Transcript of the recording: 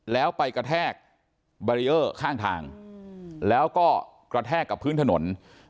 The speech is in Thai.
แล้วไปกระแทกบารีเออร์ข้างทางแล้วก็กระแทกกับพื้นถนน